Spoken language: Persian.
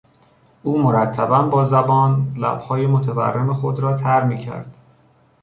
او مرتبا با زبان لبهای متورم خود را تر میکرد.